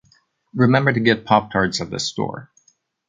Remember to get pop tarts at the store.